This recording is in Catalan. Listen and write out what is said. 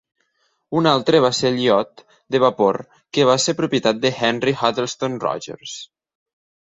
Un altre va ser el iot de vapor que va ser propietat de Henry Huttleston Rogers.